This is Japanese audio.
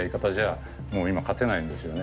もう今勝てないんですよね。